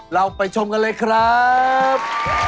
เราไปชมกันเลยครับ